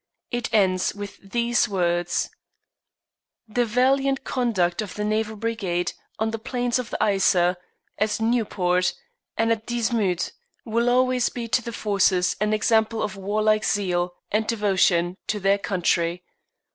It ends with these words: "The valiant conduct of the Naval Brigade on the plains of the Yser, at Nieuport, and at Dixmude will always be to the Forces an example of warlike zeal and devotion to their country.